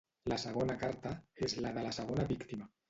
La segona carta és la de la segona víctima.